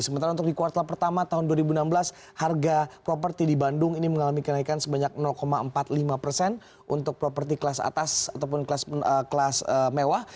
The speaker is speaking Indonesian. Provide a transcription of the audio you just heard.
sementara untuk di kuartal pertama tahun dua ribu enam belas harga properti di bandung ini mengalami kenaikan sebanyak empat puluh lima persen untuk properti kelas atas ataupun kelas mewah